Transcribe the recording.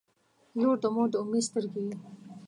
• لور د مور د امید سترګې وي.